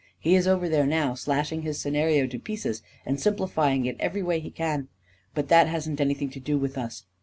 He is over there now, slashing his scenario to pieces and simplifying it every way he can. But that hasn't anything to do with us.